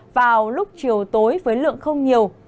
vào lúc chiều tối với lượng không nhiều